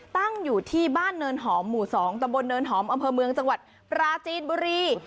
ตั้งอยู่ที่บ้านเนินหอมหมู่๒ตะบนเนินหอมอำเภอเมืองจังหวัดปราจีนบุรี